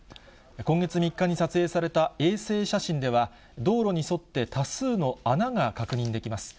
今月３日に撮影された衛星写真では、道路に沿って多数の穴が確認できます。